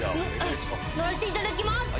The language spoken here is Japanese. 乗らせていただきます。